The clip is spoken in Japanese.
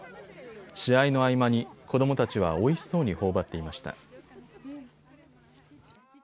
試合の合間に子どもたちはおいしそうにほおばっていました。